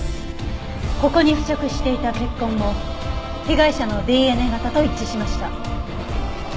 ここに付着していた血痕も被害者のＤＮＡ型と一致しました。